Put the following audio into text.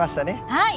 はい！